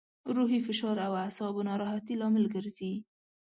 روحي فشار او اعصابو ناراحتي لامل ګرځي.